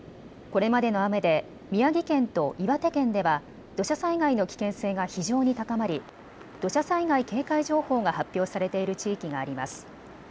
これまでの雨で宮城県と岩手県では土砂災害の危険性が非常に高まり土砂災害警戒情報が発表されている地域があります。